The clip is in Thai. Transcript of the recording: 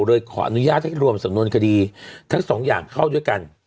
เลยขออนุญาตให้รวมสำนวนคดีทั้งสองอย่างเข้าด้วยกัน